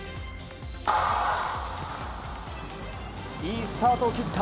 いいスタートを切った。